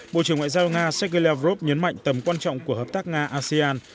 bộ trưởng ngoại giao nga sergei lavrov nhấn mạnh tầm quan trọng của hợp tác nga asean